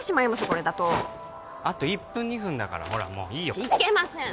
これだとあと１分２分だからほらもういいよいけません！